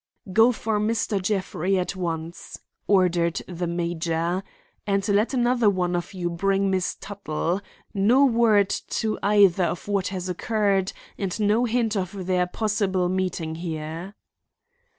"Go for Mr. Jeffrey at once," ordered the major, "and let another one of you bring Miss Tuttle. No word to either of what has occurred and no hint of their possible meeting here."